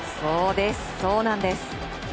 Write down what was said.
そうなんです。